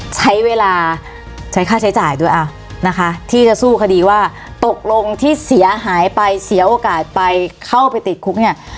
ใช้เวลาใช้ค่าใช้จ่ายด้วยนะคะที่จะสู้คดีว่าตกลงที่เสียหายไปเสียโอกาสไปเข้าไปติดคุกเนี่ย